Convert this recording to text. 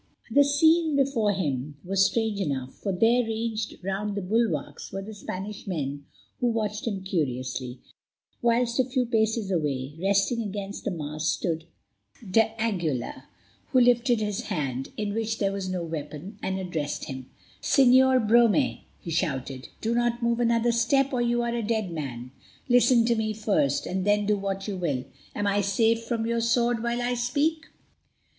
The scene before him was strange enough, for there, ranged round the bulwarks, were the Spanish men, who watched him curiously, whilst a few paces away, resting against the mast, stood d'Aguilar, who lifted his hand, in which there was no weapon, and addressed him. "Señor Brome," he shouted, "do not move another step or you are a dead man. Listen to me first, and then do what you will. Am I safe from your sword while I speak?"